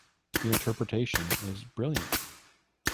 The interpretation is brilliant.